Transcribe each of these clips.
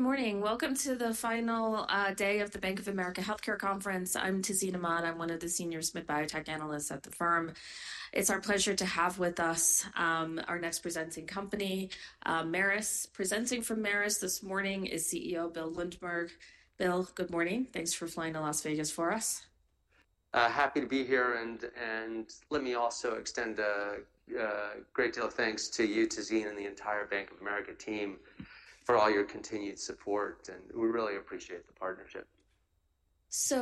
Good morning. Welcome to the final day of the Bank of America Healthcare Conference. I'm Tazeen Ahmad. I'm one of the senior biotech analysts at the firm. It's our pleasure to have with us our next presenting company, Merus. Presenting from Merus this morning is CEO Bill Lundberg. Bill, good morning. Thanks for flying to Las Vegas for us. Happy to be here. Let me also extend a great deal of thanks to you, Tazeen, and the entire Bank of America team for all your continued support. We really appreciate the partnership.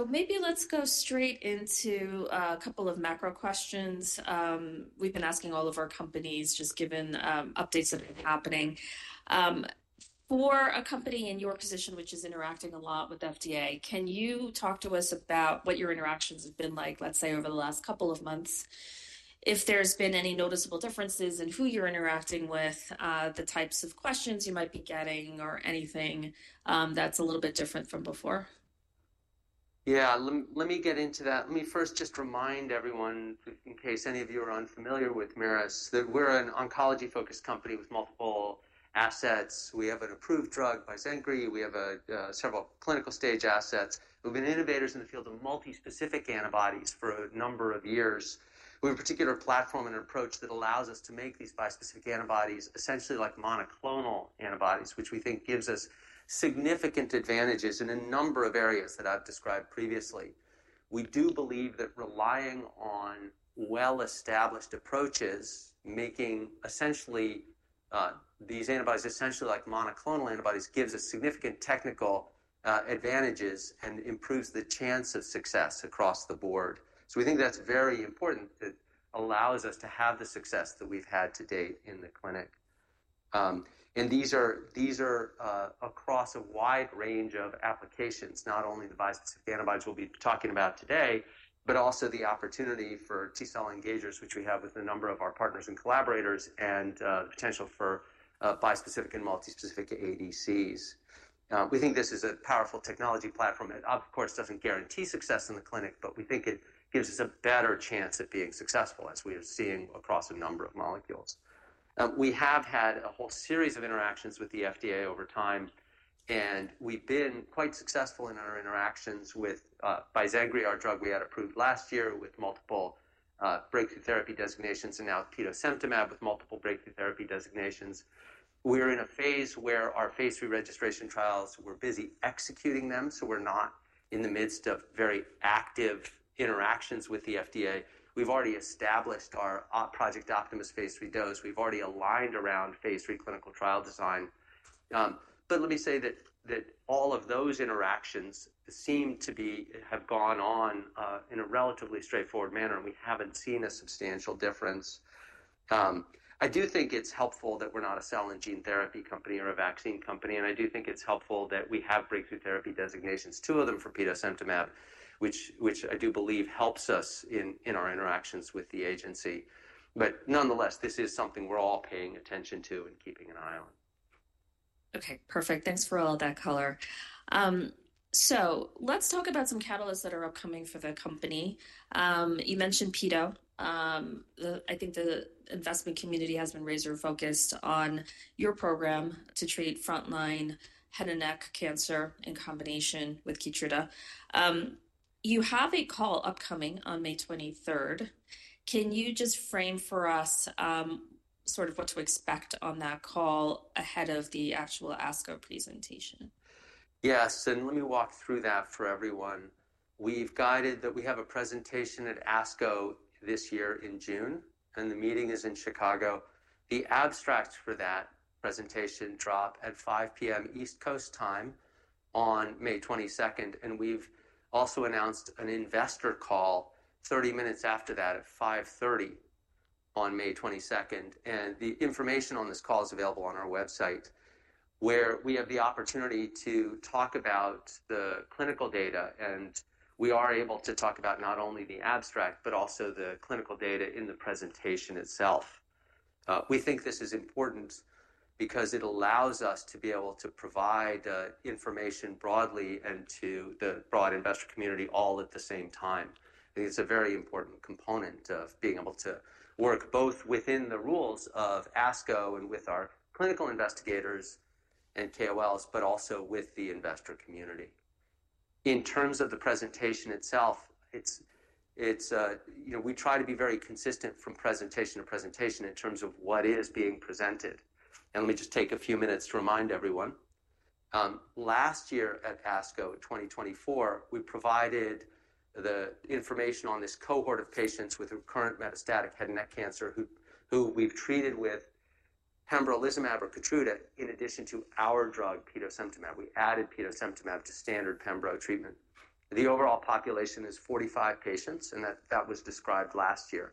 Maybe let's go straight into a couple of macro questions. We've been asking all of our companies, just given updates that are happening. For a company in your position, which is interacting a lot with the FDA, can you talk to us about what your interactions have been like, let's say, over the last couple of months? If there's been any noticeable differences in who you're interacting with, the types of questions you might be getting, or anything that's a little bit different from before? Yeah, let me get into that. Let me first just remind everyone, in case any of you are unfamiliar with Merus, that we're an oncology-focused company with multiple assets. We have an approved drug by Zenocutuzumab. We have several clinical stage assets. We've been innovators in the field of multispecific antibodies for a number of years. We have a particular platform and approach that allows us to make these bispecific antibodies, essentially like monoclonal antibodies, which we think gives us significant advantages in a number of areas that I've described previously. We do believe that relying on well-established approaches, making essentially these antibodies essentially like monoclonal antibodies, gives us significant technical advantages and improves the chance of success across the board. We think that's very important that allows us to have the success that we've had to date in the clinic. These are across a wide range of applications, not only the bispecific antibodies we will be talking about today, but also the opportunity for T-cell engagers, which we have with a number of our partners and collaborators, and the potential for bispecific and multispecific ADCs. We think this is a powerful technology platform. It, of course, does not guarantee success in the clinic, but we think it gives us a better chance at being successful, as we are seeing across a number of molecules. We have had a whole series of interactions with the FDA over time. We have been quite successful in our interactions with Zenocutuzumab, our drug we had approved last year, with multiple breakthrough therapy designations, and now Petosemtamab with multiple breakthrough therapy designations. We're in a phase where our phase III registration trials, we're busy executing them, so we're not in the midst of very active interactions with the FDA. We've already established our project optimist phase III dose. We've already aligned around phase III clinical trial design. Let me say that all of those interactions seem to have gone on in a relatively straightforward manner, and we haven't seen a substantial difference. I do think it's helpful that we're not a cell and gene therapy company or a vaccine company. I do think it's helpful that we have breakthrough therapy designations, two of them for Petosemtamab, which I do believe helps us in our interactions with the agency. Nonetheless, this is something we're all paying attention to and keeping an eye on. Okay, perfect. Thanks for all that color. Let's talk about some catalysts that are upcoming for the company. You mentioned Petosemtamab. I think the investment community has been razor-focused on your program to treat frontline head and neck cancer in combination with Keytruda. You have a call upcoming on May 23rd. Can you just frame for us sort of what to expect on that call ahead of the actual ASCO presentation? Yes. Let me walk through that for everyone. We've guided that we have a presentation at ASCO this year in June, and the meeting is in Chicago. The abstracts for that presentation drop at 5:00 P.M. East Coast time on May 22. We've also announced an investor call 30 minutes after that at 5:30 on May 22. The information on this call is available on our website, where we have the opportunity to talk about the clinical data. We are able to talk about not only the abstract, but also the clinical data in the presentation itself. We think this is important because it allows us to be able to provide information broadly and to the broad investor community all at the same time. I think it's a very important component of being able to work both within the rules of ASCO and with our clinical investigators and KOLs, but also with the investor community. In terms of the presentation itself, we try to be very consistent from presentation to presentation in terms of what is being presented. Let me just take a few minutes to remind everyone. Last year at ASCO 2024, we provided the information on this cohort of patients with recurrent metastatic head and neck cancer, who we've treated with pembrolizumab or Keytruda in addition to our drug, petosemtamab. We added petosemtamab to standard pembro treatment. The overall population is 45 patients, and that was described last year.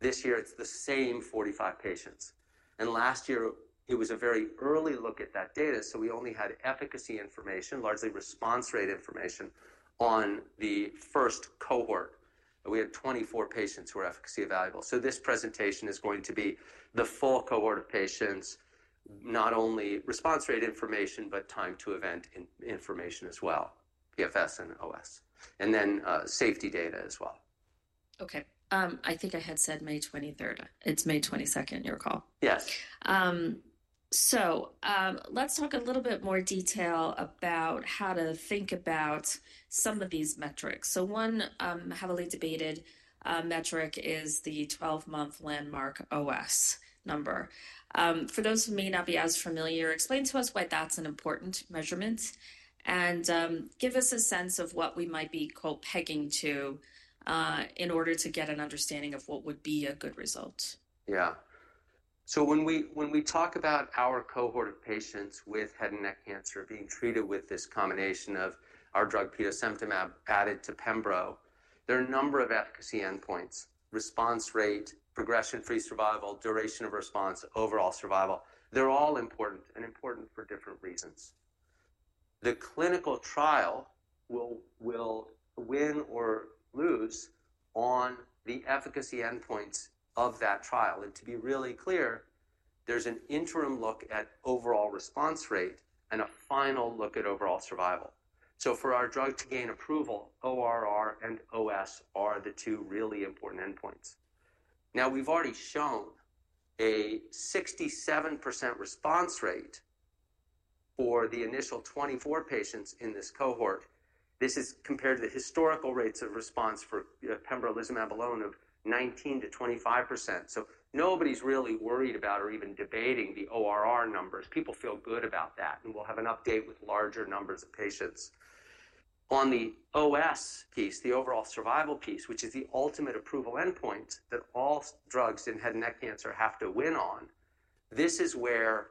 This year, it's the same 45 patients. Last year, it was a very early look at that data, so we only had efficacy information, largely response rate information on the first cohort. We had 24 patients who were efficacy available. This presentation is going to be the full cohort of patients, not only response rate information, but time to event information as well, PFS and OS, and then safety data as well. Okay. I think I had said May 23rd. It's May 22nd, your call. Yes. Let's talk a little bit more detail about how to think about some of these metrics. One heavily debated metric is the 12-month landmark OS number. For those who may not be as familiar, explain to us why that's an important measurement and give us a sense of what we might be pegging to in order to get an understanding of what would be a good result. Yeah. When we talk about our cohort of patients with head and neck cancer being treated with this combination of our drug, Petosemtamab, added to Pembro, there are a number of efficacy endpoints: response rate, progression-free survival, duration of response, overall survival. They're all important and important for different reasons. The clinical trial will win or lose on the efficacy endpoints of that trial. To be really clear, there's an interim look at overall response rate and a final look at overall survival. For our drug to gain approval, ORR and OS are the two really important endpoints. Now, we've already shown a 67% response rate for the initial 24 patients in this cohort. This is compared to the historical rates of response for Pembrolizumab alone of 19%-25%. Nobody's really worried about or even debating the ORR numbers. People feel good about that, and we'll have an update with larger numbers of patients. On the OS piece, the overall survival piece, which is the ultimate approval endpoint that all drugs in head and neck cancer have to win on, this is where,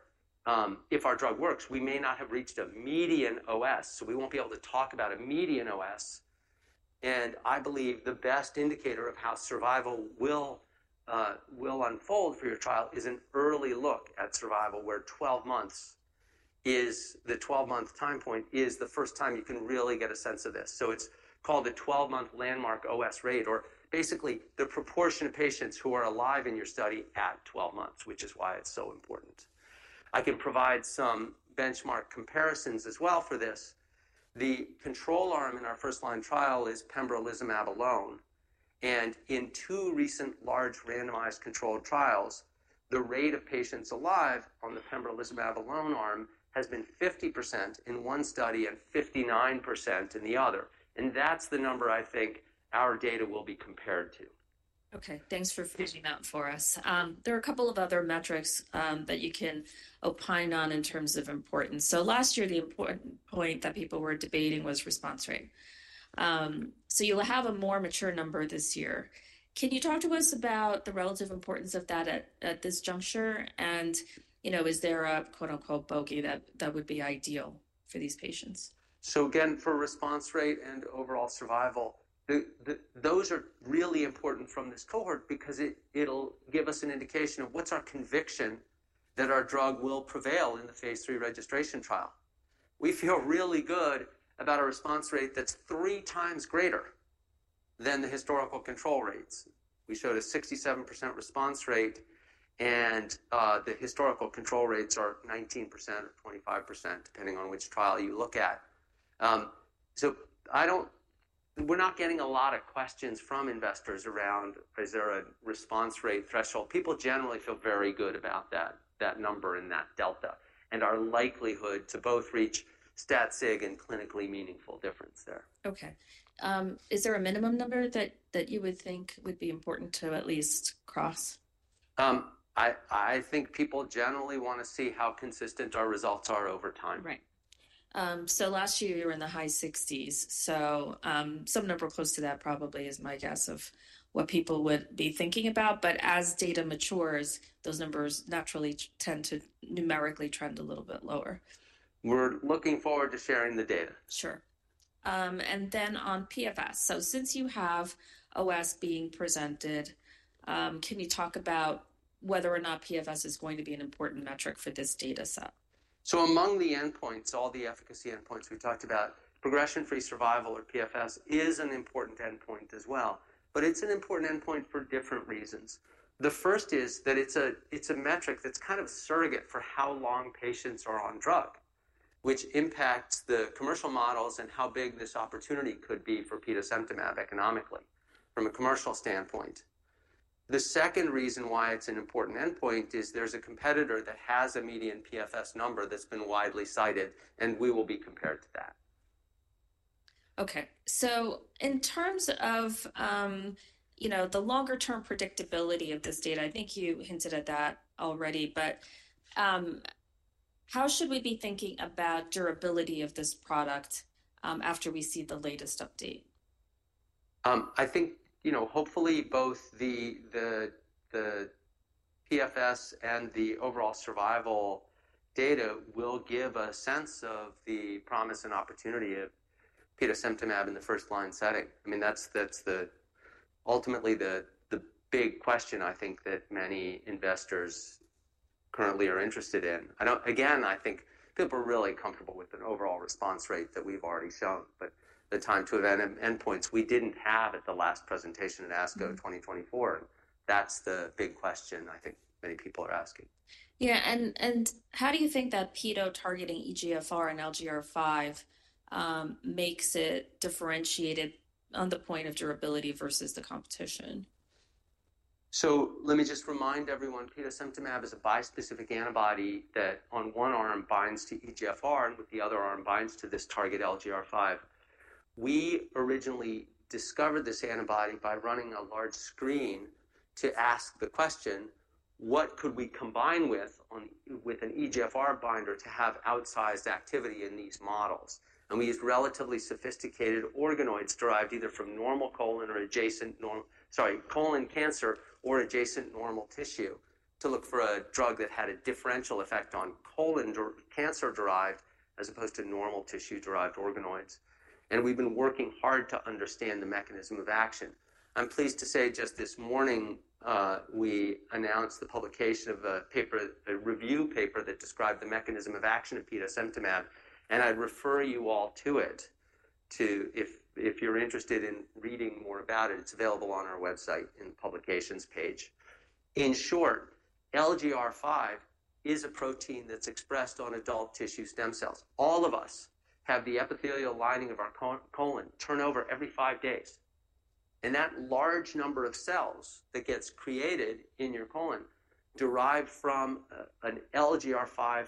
if our drug works, we may not have reached a median OS. So we won't be able to talk about a median OS. I believe the best indicator of how survival will unfold for your trial is an early look at survival, where 12 months is the 12-month time point is the first time you can really get a sense of this. It is called the 12-month landmark OS rate, or basically the proportion of patients who are alive in your study at 12 months, which is why it is so important. I can provide some benchmark comparisons as well for this. The control arm in our first line trial is Pembrolizumab alone. In two recent large randomized controlled trials, the rate of patients alive on the Pembrolizumab alone arm has been 50% in one study and 59% in the other. That's the number I think our data will be compared to. Okay. Thanks for framing that for us. There are a couple of other metrics that you can opine on in terms of importance. Last year, the important point that people were debating was response rate. You'll have a more mature number this year. Can you talk to us about the relative importance of that at this juncture? Is there a "bogey" that would be ideal for these patients? Again, for response rate and overall survival, those are really important from this cohort because it'll give us an indication of what's our conviction that our drug will prevail in the phase III registration trial. We feel really good about a response rate that's three times greater than the historical control rates. We showed a 67% response rate, and the historical control rates are 19% or 25%, depending on which trial you look at. We're not getting a lot of questions from investors around, is there a response rate threshold? People generally feel very good about that number and that delta and our likelihood to both reach stat-sig and clinically meaningful difference there. Okay. Is there a minimum number that you would think would be important to at least cross? I think people generally want to see how consistent our results are over time. Right. Last year, you were in the high 60s. Some number close to that probably is my guess of what people would be thinking about. As data matures, those numbers naturally tend to numerically trend a little bit lower. We're looking forward to sharing the data. Sure. And then on PFS. Since you have OS being presented, can you talk about whether or not PFS is going to be an important metric for this data set? Among the endpoints, all the efficacy endpoints we talked about, progression-free survival or PFS is an important endpoint as well. It is an important endpoint for different reasons. The first is that it is a metric that is kind of a surrogate for how long patients are on drug, which impacts the commercial models and how big this opportunity could be for Petosemtamab economically from a commercial standpoint. The second reason why it is an important endpoint is there is a competitor that has a median PFS number that has been widely cited, and we will be compared to that. Okay. In terms of the longer-term predictability of this data, I think you hinted at that already, but how should we be thinking about durability of this product after we see the latest update? I think hopefully both the PFS and the overall survival data will give a sense of the promise and opportunity of Petosemtamab in the first line setting. I mean, that's ultimately the big question, I think, that many investors currently are interested in. Again, I think people are really comfortable with an overall response rate that we've already shown, but the time to event endpoints we did not have at the last presentation at ASCO 2024. That's the big question, I think, many people are asking. Yeah. How do you think that Petosemtamab targeting EGFR and LGR5 makes it differentiated on the point of durability versus the competition? Let me just remind everyone, Petosemtamab is a bispecific antibody that on one arm binds to EGFR and with the other arm binds to this target LGR5. We originally discovered this antibody by running a large screen to ask the question, what could we combine with an EGFR binder to have outsized activity in these models? We used relatively sophisticated organoids derived either from colon cancer or adjacent normal tissue to look for a drug that had a differential effect on colon cancer derived as opposed to normal tissue derived organoids. We have been working hard to understand the mechanism of action. I'm pleased to say just this morning, we announced the publication of a review paper that described the mechanism of action of Petosemtamab. I'd refer you all to it if you're interested in reading more about it. It's available on our website in the publications page. In short, LGR5 is a protein that's expressed on adult tissue stem cells. All of us have the epithelial lining of our colon turn over every five days. That large number of cells that gets created in your colon derived from an LGR5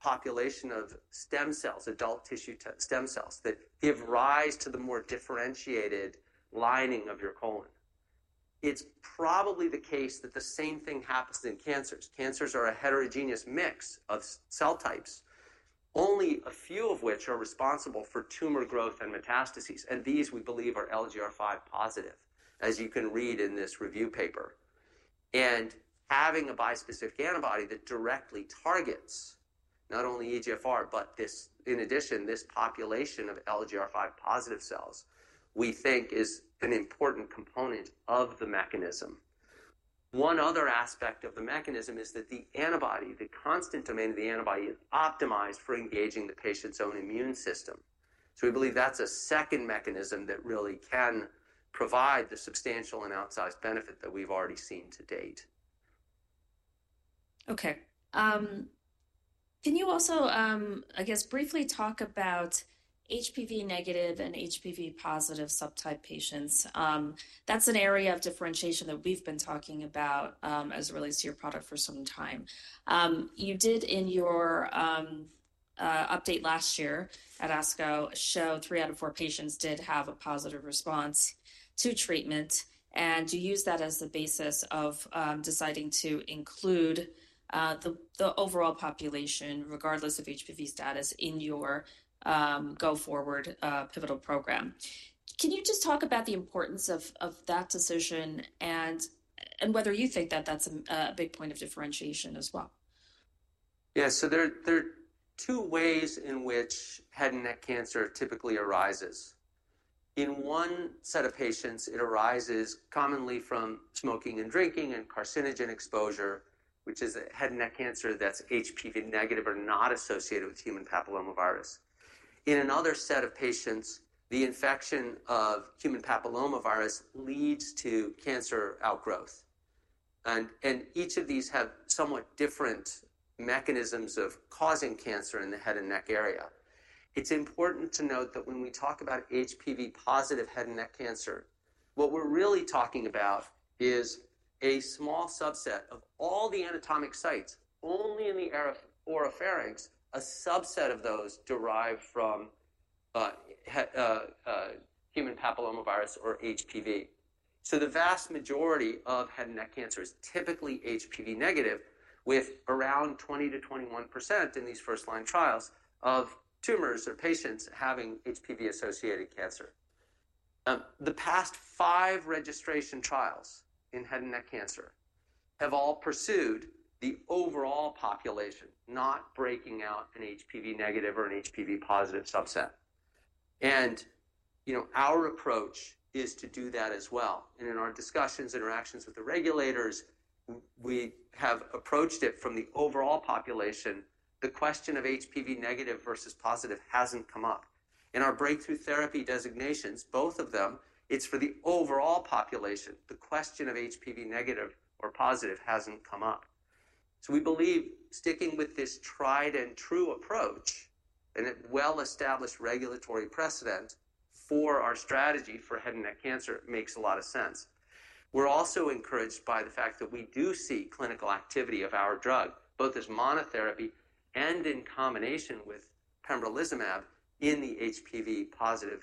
population of stem cells, adult tissue stem cells that give rise to the more differentiated lining of your colon. It's probably the case that the same thing happens in cancers. Cancers are a heterogeneous mix of cell types, only a few of which are responsible for tumor growth and metastases. These we believe are LGR5 positive, as you can read in this review paper. Having a bispecific antibody that directly targets not only EGFR, but in addition, this population of LGR5 positive cells, we think is an important component of the mechanism. One other aspect of the mechanism is that the antibody, the constant domain of the antibody, is optimized for engaging the patient's own immune system. We believe that's a second mechanism that really can provide the substantial and outsized benefit that we've already seen to date. Okay. Can you also, I guess, briefly talk about HPV negative and HPV positive subtype patients? That's an area of differentiation that we've been talking about as it relates to your product for some time. You did, in your update last year at ASCO, show three out of four patients did have a positive response to treatment. You used that as the basis of deciding to include the overall population, regardless of HPV status, in your go-forward pivotal program. Can you just talk about the importance of that decision and whether you think that that's a big point of differentiation as well? Yeah. There are two ways in which head and neck cancer typically arises. In one set of patients, it arises commonly from smoking and drinking and carcinogen exposure, which is a head and neck cancer that's HPV negative or not associated with human papillomavirus. In another set of patients, the infection of human papillomavirus leads to cancer outgrowth. Each of these have somewhat different mechanisms of causing cancer in the head and neck area. It's important to note that when we talk about HPV positive head and neck cancer, what we're really talking about is a small subset of all the anatomic sites. Only in the oropharynx, a subset of those derive from human papillomavirus or HPV. The vast majority of head and neck cancer is typically HPV negative, with around 20%-21% in these first line trials of tumors or patients having HPV associated cancer. The past five registration trials in head and neck cancer have all pursued the overall population, not breaking out an HPV negative or an HPV positive subset. Our approach is to do that as well. In our discussions and interactions with the regulators, we have approached it from the overall population. The question of HPV negative versus positive hasn't come up. In our breakthrough therapy designations, both of them, it's for the overall population. The question of HPV negative or positive hasn't come up. We believe sticking with this tried and true approach and a well-established regulatory precedent for our strategy for head and neck cancer makes a lot of sense. We're also encouraged by the fact that we do see clinical activity of our drug, both as monotherapy and in combination with pembrolizumab in the HPV positive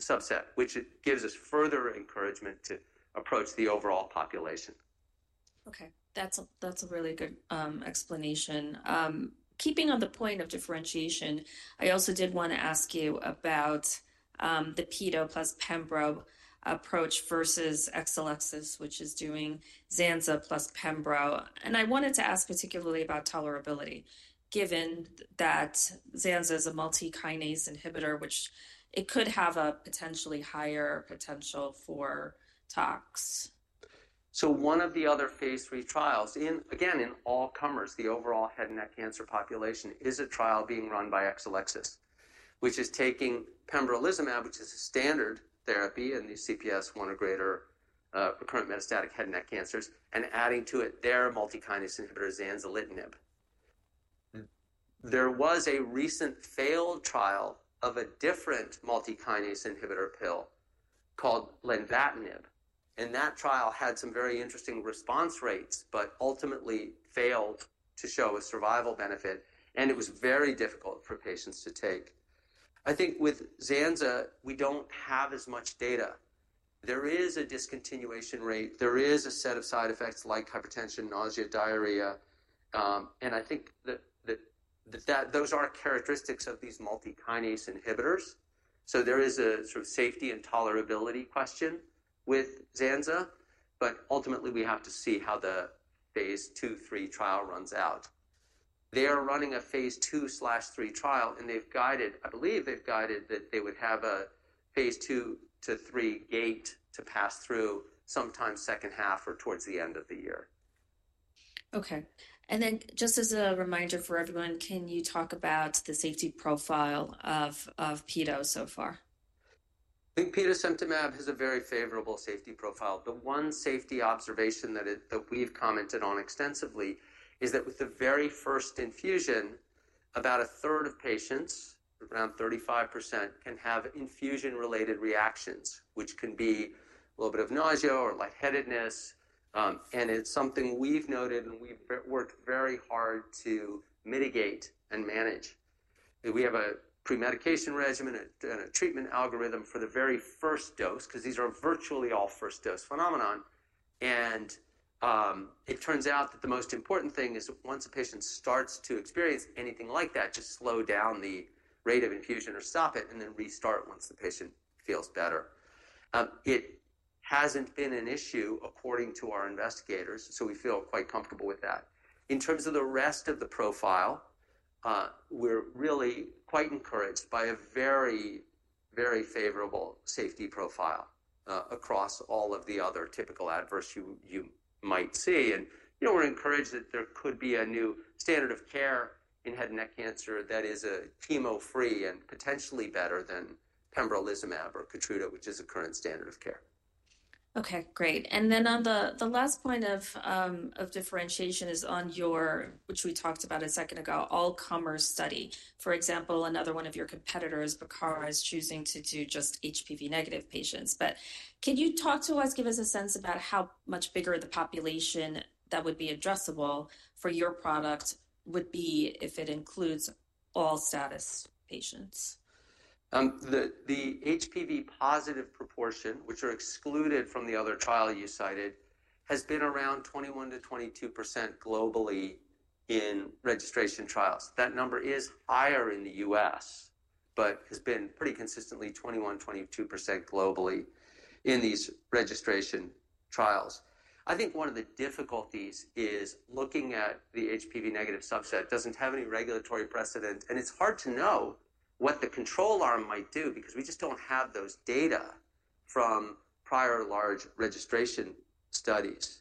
subset, which gives us further encouragement to approach the overall population. Okay. That's a really good explanation. Keeping on the point of differentiation, I also did want to ask you about the Keytruda plus Pembro approach versus Exelixis, which is doing Cabozantinib plus Pembro. I wanted to ask particularly about tolerability, given that Cabozantinib is a multikinase inhibitor, which could have a potentially higher potential for tox. One of the other phase 3 trials, again, in all comers, the overall head and neck cancer population is a trial being run by Exelixis, which is taking pembrolizumab, which is a standard therapy in the CPS one or greater recurrent metastatic head and neck cancers, and adding to it their multikinase inhibitor, zanzalitinib. There was a recent failed trial of a different multikinase inhibitor pill called lenvatinib. That trial had some very interesting response rates, but ultimately failed to show a survival benefit. It was very difficult for patients to take. I think with Zanza, we do not have as much data. There is a discontinuation rate. There is a set of side effects like hypertension, nausea, diarrhea. I think that those are characteristics of these multikinase inhibitors. There is a sort of safety and tolerability question with Zanza. Ultimately, we have to see how the phase II, three trial runs out. They are running a phase II/three trial, and they've guided, I believe they've guided that they would have a phase II to three gate to pass through, sometime second half or towards the end of the year. Okay. And then just as a reminder for everyone, can you talk about the safety profile of Petosemtamab so far? I think Petosemtamab has a very favorable safety profile. The one safety observation that we've commented on extensively is that with the very first infusion, about a third of patients, around 35%, can have infusion-related reactions, which can be a little bit of nausea or lightheadedness. It's something we've noted and we've worked very hard to mitigate and manage. We have a pre-medication regimen and a treatment algorithm for the very first dose because these are virtually all first dose phenomenon. It turns out that the most important thing is once a patient starts to experience anything like that, just slow down the rate of infusion or stop it and then restart once the patient feels better. It hasn't been an issue according to our investigators, so we feel quite comfortable with that. In terms of the rest of the profile, we're really quite encouraged by a very, very favorable safety profile across all of the other typical adverse you might see. We're encouraged that there could be a new standard of care in head and neck cancer that is chemo free and potentially better than pembrolizumab or Keytruda, which is a current standard of care. Okay. Great. On the last point of differentiation is on your, which we talked about a second ago, all-comers study. For example, another one of your competitors, Bicara, is choosing to do just HPV negative patients. Can you talk to us, give us a sense about how much bigger the population that would be addressable for your product would be if it includes all status patients? The HPV positive proportion, which are excluded from the other trial you cited, has been around 21%-22% globally in registration trials. That number is higher in the U.S., but has been pretty consistently 21%-22% globally in these registration trials. I think one of the difficulties is looking at the HPV negative subset does not have any regulatory precedent. It is hard to know what the control arm might do because we just do not have those data from prior large registration studies.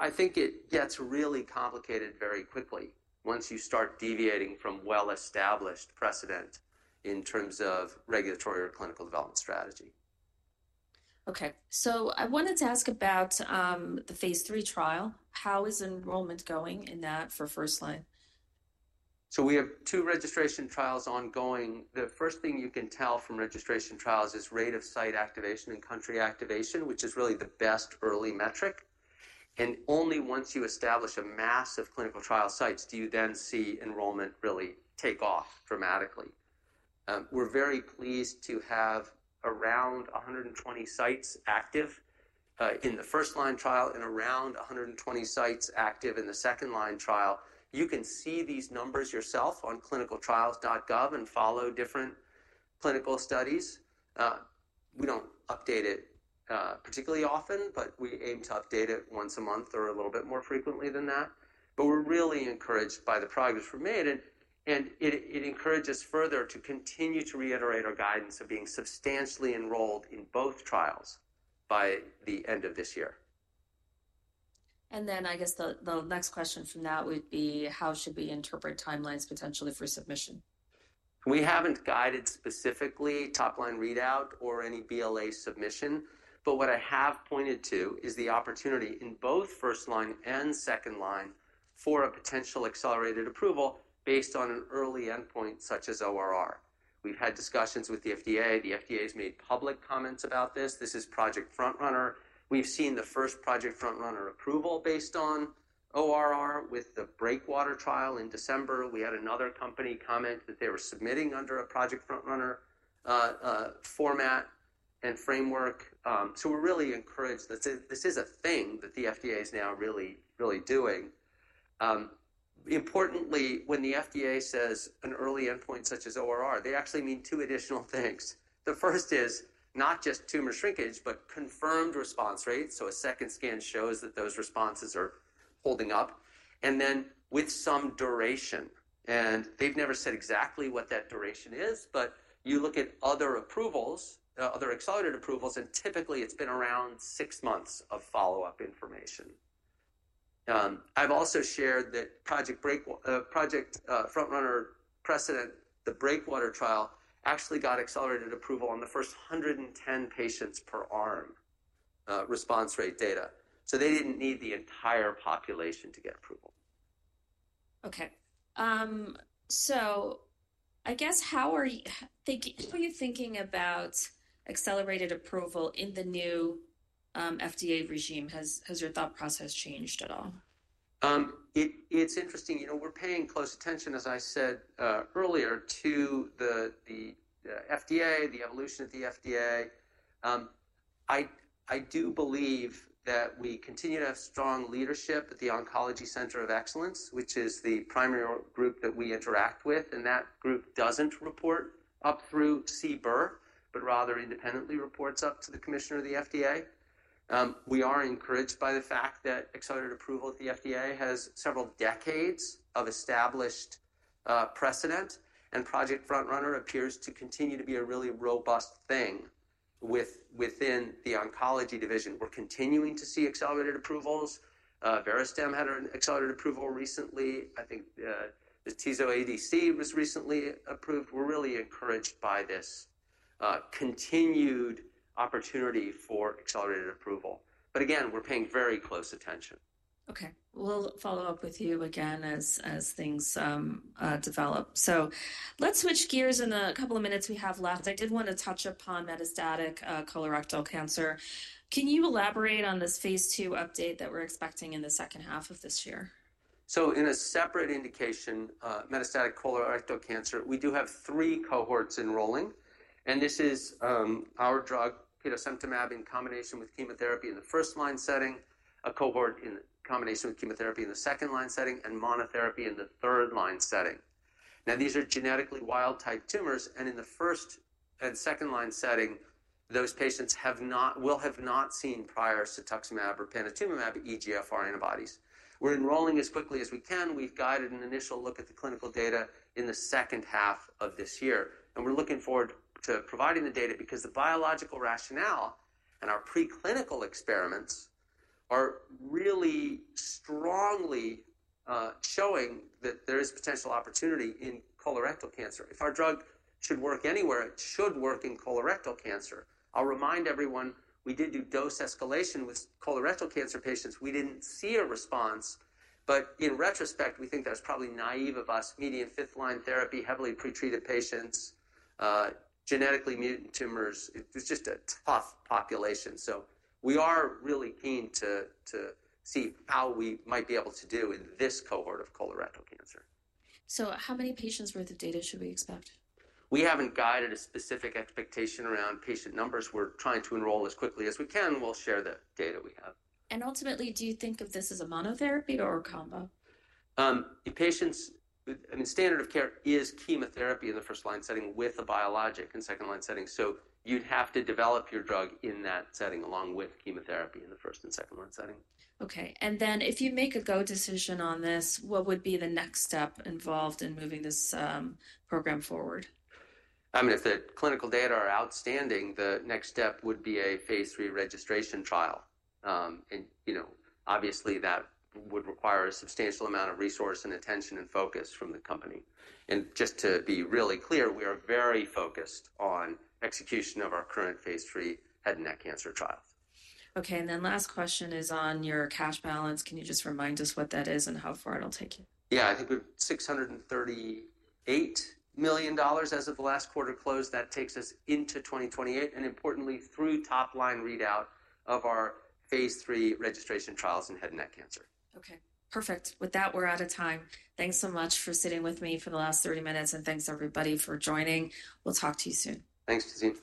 I think it gets really complicated very quickly once you start deviating from well-established precedent in terms of regulatory or clinical development strategy. Okay. I wanted to ask about the phase 3 trial. How is enrollment going in that for first line? We have two registration trials ongoing. The first thing you can tell from registration trials is rate of site activation and country activation, which is really the best early metric. Only once you establish a mass of clinical trial sites do you then see enrollment really take off dramatically. We're very pleased to have around 120 sites active in the first line trial and around 120 sites active in the second line trial. You can see these numbers yourself on clinicaltrials.gov and follow different clinical studies. We do not update it particularly often, but we aim to update it once a month or a little bit more frequently than that. We're really encouraged by the progress we've made. It encourages us further to continue to reiterate our guidance of being substantially enrolled in both trials by the end of this year. I guess the next question from that would be, how should we interpret timelines potentially for submission? We haven't guided specifically top-line readout or any BLA submission. But what I have pointed to is the opportunity in both first line and second line for a potential accelerated approval based on an early endpoint such as ORR. We've had discussions with the FDA. The FDA has made public comments about this. This is project front-runner. We've seen the first project front-runner approval based on ORR with the breakwater trial in December. We had another company comment that they were submitting under a project front-runner format and framework. So we're really encouraged that this is a thing that the FDA is now really, really doing. Importantly, when the FDA says an early endpoint such as ORR, they actually mean two additional things. The first is not just tumor shrinkage, but confirmed response rate. So a second scan shows that those responses are holding up. And then with some duration. They've never said exactly what that duration is, but you look at other approvals, other accelerated approvals, and typically it's been around six months of follow-up information. I've also shared that Project Front-Runner precedent, the Breakwater trial, actually got accelerated approval on the first 110 patients per arm response rate data. They didn't need the entire population to get approval. Okay. So I guess how are you thinking about accelerated approval in the new FDA regime? Has your thought process changed at all? It's interesting. We're paying close attention, as I said earlier, to the FDA, the evolution of the FDA. I do believe that we continue to have strong leadership at the Oncology Center of Excellence, which is the primary group that we interact with. That group does not report up through CBER, but rather independently reports up to the Commissioner of the FDA. We are encouraged by the fact that accelerated approval at the FDA has several decades of established precedent. Project Front-Runner appears to continue to be a really robust thing within the oncology division. We're continuing to see accelerated approvals. Verastem had an accelerated approval recently. I think the T-DXd ADC was recently approved. We're really encouraged by this continued opportunity for accelerated approval. Again, we're paying very close attention. Okay. We'll follow up with you again as things develop. Let's switch gears in the couple of minutes we have left. I did want to touch upon metastatic colorectal cancer. Can you elaborate on this phase II update that we're expecting in the second half of this year? In a separate indication, metastatic colorectal cancer, we do have three cohorts enrolling. This is our drug, Petosemtamab in combination with chemotherapy in the first line setting, a cohort in combination with chemotherapy in the second line setting, and monotherapy in the third line setting. Now, these are genetically wild-type tumors. In the first and second line setting, those patients will have not seen prior Cetuximab or Panitumumab EGFR antibodies. We are enrolling as quickly as we can. We have guided an initial look at the clinical data in the second half of this year. We are looking forward to providing the data because the biological rationale and our preclinical experiments are really strongly showing that there is potential opportunity in colorectal cancer. If our drug should work anywhere, it should work in colorectal cancer. I will remind everyone, we did do dose escalation with colorectal cancer patients. We did not see a response. In retrospect, we think that was probably naive of us. Median fifth line therapy, heavily pretreated patients, genetically mutant tumors. It was just a tough population. We are really keen to see how we might be able to do in this cohort of colorectal cancer. How many patients' worth of data should we expect? We haven't guided a specific expectation around patient numbers. We're trying to enroll as quickly as we can. We'll share the data we have. Ultimately, do you think of this as a monotherapy or a combo? I mean, standard of care is chemotherapy in the first line setting with a biologic in second line setting. You'd have to develop your drug in that setting along with chemotherapy in the first and second line setting. Okay. If you make a go decision on this, what would be the next step involved in moving this program forward? I mean, if the clinical data are outstanding, the next step would be a phase 3 registration trial. Obviously, that would require a substantial amount of resource and attention and focus from the company. Just to be really clear, we are very focused on execution of our current phase 3 head and neck cancer trials. Okay. Last question is on your cash balance. Can you just remind us what that is and how far it'll take you? Yeah. I think we're $638 million as of the last quarter close. That takes us into 2028. Importantly, through top-line readout of our phase 3 registration trials in head and neck cancer. Okay. Perfect. With that, we're out of time. Thanks so much for sitting with me for the last 30 minutes. And thanks, everybody, for joining. We'll talk to you soon. Thanks, Tazeen.